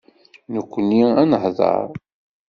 Nekkni ad neḥḍer.